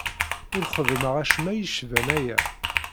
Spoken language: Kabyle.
Ur xeddmeɣ acemma yecban aya.